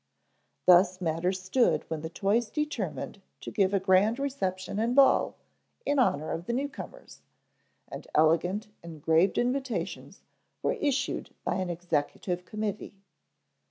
Thus matters stood when the toys determined to give a grand reception and ball in honor of the newcomers, and elegant, engraved invitations were issued by an executive committee.